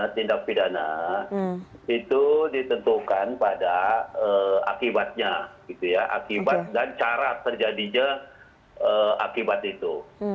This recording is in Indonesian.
tindak pidana itu ditentukan pada akibatnya akibat dan cara terjadinya akibat itu